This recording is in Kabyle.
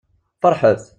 Feṛḥet!